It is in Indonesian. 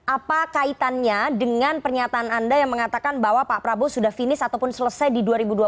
apa kaitannya dengan pernyataan anda yang mengatakan bahwa pak prabowo sudah finish ataupun selesai di dua ribu dua puluh empat